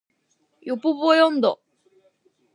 ヨポポイ音頭